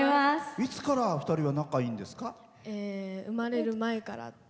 いつからお二人は仲いいんですか？